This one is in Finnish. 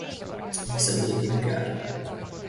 Ja se olikin käärme.